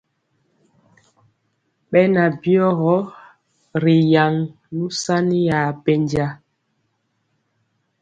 Beŋan byigɔ ri yaŋ nusani ya pɛnja.